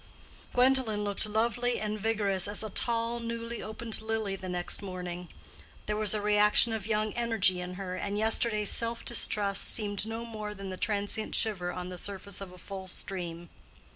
Gwendolen looked lovely and vigorous as a tall, newly opened lily the next morning: there was a reaction of young energy in her, and yesterday's self distrust seemed no more than the transient shiver on the surface of a full stream.